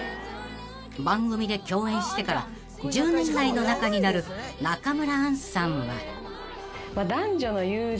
［番組で共演してから１０年来の仲になる中村アンさんは］